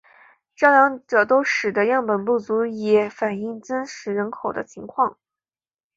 这两者都使得样本不足以反映真实人口的情况。